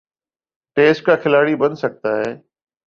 Test کا کھلاڑی بن سکتا ہے۔